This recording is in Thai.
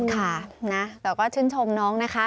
ค่ะนะแต่ก็ชื่นชมน้องนะคะ